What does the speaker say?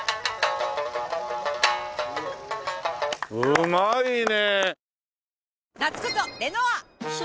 うまいね。